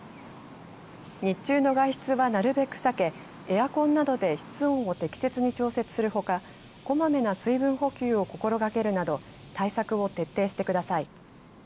日中の外出はなるべく避けエアコンなどで室温を適切に調節するほかこまめな水分補給を心がけるなど対策を徹底してください。